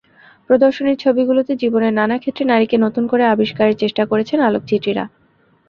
প্রদর্শনীর ছবিগুলোতে জীবনের নানা ক্ষেত্রে নারীকে নতুন করে আবিষ্কারের চেষ্টা করেছেন আলোকচিত্রীরা।